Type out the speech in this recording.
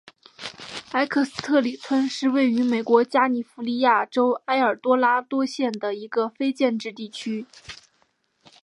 埃克斯特里村是位于美国加利福尼亚州埃尔多拉多县的一个非建制地区。